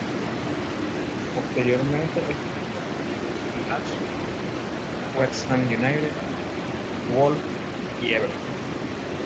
Posteriormente, estuvo cortos períodos en Lazio, West Ham United, VfL Wolfsburg y Everton.